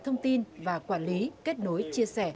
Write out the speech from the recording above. thông tin và quản lý kết nối chia sẻ